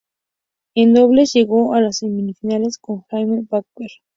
En dobles llegó a las semifinales con Jamie Baker.